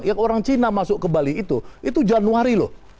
yang orang cina masuk ke bali itu itu januari loh